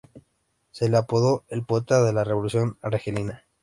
Se le apodó "el poeta de la revolución argelina".